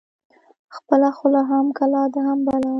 ـ خپله خوله هم کلا ده هم بلا ده.